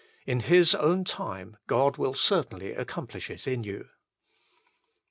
In His own time God will certainly accomplish it in you.